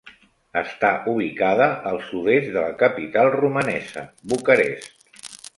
Està ubicada al sud-est de la capital romanesa, Bucarest.